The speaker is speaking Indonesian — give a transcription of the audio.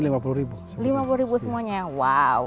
lima puluh semuanya wow